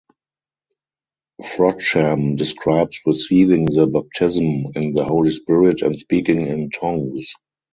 Frodsham describes receiving the baptism in the Holy Spirit and speaking in tongues.